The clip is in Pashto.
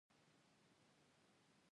شريف په ځان کټ کټ وخندل.